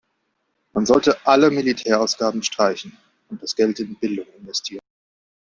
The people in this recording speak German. Man sollte alle Militärausgaben streichen und das Geld in Bildung investieren.